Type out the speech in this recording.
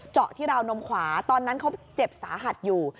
เจาะที่ราวนมขวาตอนนั้นเขาเจ็บสาหัสอยู่